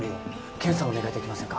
検査お願いできませんか？